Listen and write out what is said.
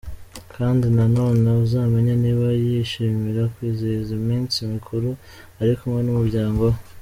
Kandi na none uzamenya niba yishimira kwizihiza iminsi mikuru ari kumwe n’umuryango we.